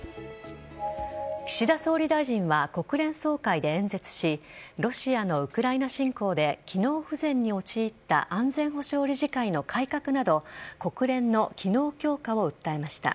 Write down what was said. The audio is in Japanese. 岸田総理大臣は国連総会で演説しロシアのウクライナ侵攻で機能不全に陥った安全保障理事会の改革など国連の機能強化を訴えました。